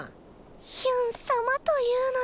ヒュン様というのね。